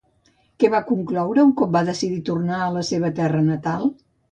Què va concloure un cop va decidir tornar a la seva terra natal?